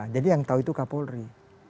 jadi yang tau itu kak polri